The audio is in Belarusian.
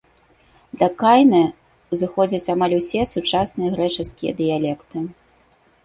Да кайнэ ўзыходзяць амаль усе сучасныя грэчаскія дыялекты.